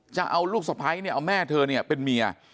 จะเอาลูกสะพ้ายเนี่ยเอาแม่เธอเนี่ยเป็นเมีย